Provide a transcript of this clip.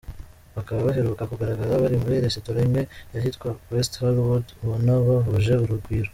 Bakaba baheruka kugaragara bari muri resitora imwe y' ahitwa West Hollywood ubona bahuje urugwiro.